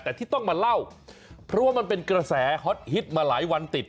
แต่ที่ต้องมาเล่าเพราะว่ามันเป็นกระแสฮอตฮิตมาหลายวันติด